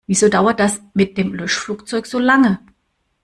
Wieso dauert das mit dem Löschflugzeug so lange?